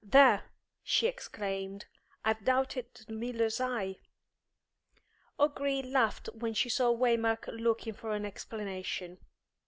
"There!" she exclaimed; "I've doubted the miller's eye." O'Gree laughed when he saw Waymark looking for an explanation.